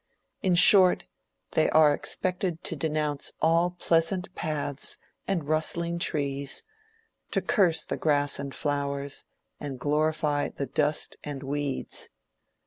In short, they are expected to denounce all pleasant paths and rustling trees, to curse the grass and flowers, and glorify the dust and weeds.